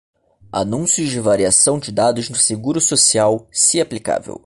Anúncios de variação de dados no Seguro Social, se aplicável.